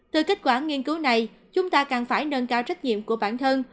từ kết quả nghiên cứu này chúng ta cần phải nâng cao trách nhiệm của bản thân